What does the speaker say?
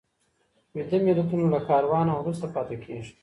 ویده ملتونه له کاروانه وروسته پاته کېږي.